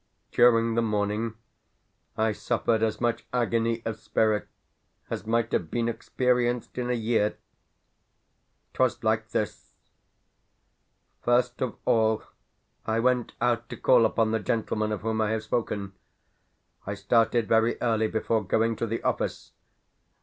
During the morning I suffered as much agony of spirit as might have been experienced in a year. 'Twas like this: First of all, I went out to call upon the gentleman of whom I have spoken. I started very early, before going to the office.